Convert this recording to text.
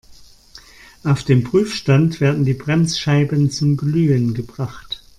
Auf dem Prüfstand werden die Bremsscheiben zum Glühen gebracht.